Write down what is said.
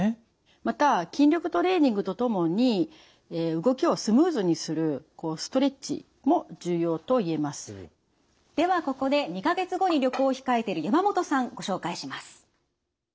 また筋力トレーニングとともにではここで２か月後に旅行を控えている山本さんご紹介します。